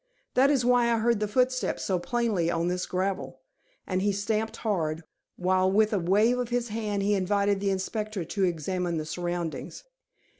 That is why I heard the footsteps so plainly on this gravel." And he stamped hard, while with a wave of his hand he invited the inspector to examine the surroundings.